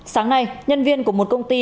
sáng nay nhân viên của một công ty